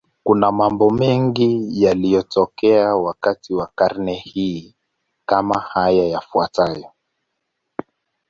Kuna mambo mengi yaliyotokea wakati wa karne hii, kama haya yafuatayo.